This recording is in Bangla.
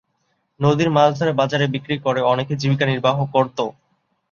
নদীর মাছ ধরে বাজারে বিক্রি করে অনেকে জীবিকা নির্বাহ করত।